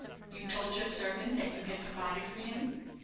"You told your servant that you had provided for him?"